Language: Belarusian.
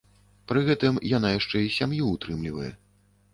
Пры гэтым яна яшчэ і сям'ю ўтрымлівае.